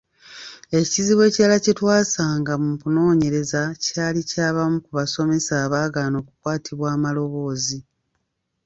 Ekizibu ekirala kye twasanga mu kunoonyereza kyali ky’abamu ku basomesa abaagaana okukwatibwa amaloboozi.